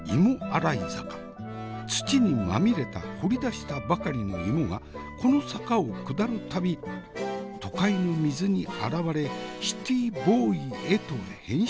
土にまみれた掘り出したばかりの芋がこの坂を下る度都会の水に洗われシティーボーイへと変身していくゆえ芋洗坂。